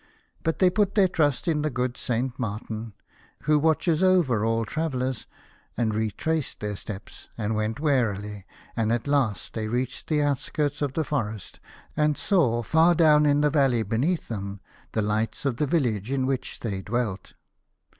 But they put their trust in the good Saint Martin, who watches over all travellers, and retraced their steps, and went warily, and at last they reached the outskirts of the forest, and saw, far down in the valley beneath them, the lights of the village in which they dwelt.